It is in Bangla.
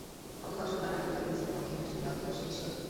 গতকাল শনিবার রাতে রিয়াল বেটিসের বিপক্ষে ম্যাচটি রিয়াল খেলল ঠিক সেভাবেই।